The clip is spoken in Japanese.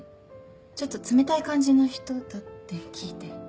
ちょっと冷たい感じの人だって聞いて。